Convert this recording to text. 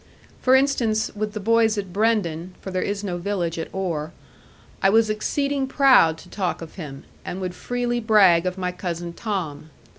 For instance, with the boys at Brendon for there is no village at Oare I was exceeding proud to talk of him, and would freely brag of my Cousin Tom.